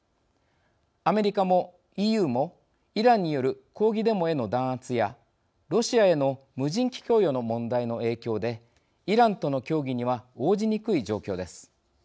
アメリカもＥＵもイランによる抗議デモへの弾圧やロシアへの無人機供与の問題の影響でイランとの協議には応じにくい状況です。